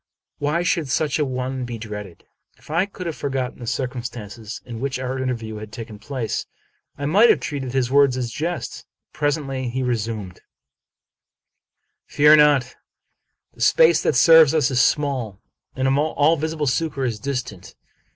Why should such a one be dreaded ? If I could have forgotten the circumstances in which our interview had taken place, I might have treated his words as jests. Pres ently, he resumed: —" Fear me not: the space that severs us is small, and all visib'e succor is distant.